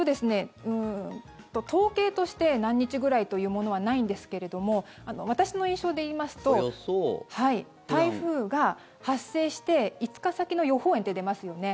統計として何日ぐらいというものはないんですけれども私の印象で言いますと台風が発生して５日先の予報円って出ますよね。